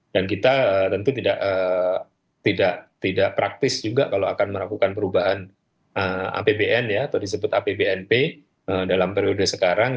dan kita tentu tidak praktis juga kalau akan melakukan perubahan apbn ya atau disebut apbnp dalam periode sekarang